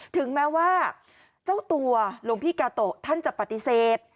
ถึงแม้ว่าเจ้าตัวหลวงพี่กาโตะท่านจะปฏิเสธ